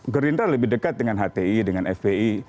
gerindra lebih dekat dengan hti dengan fpi